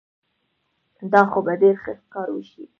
دا خو به ډېر ښه کار وشي.